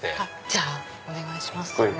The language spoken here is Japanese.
じゃあお願いします。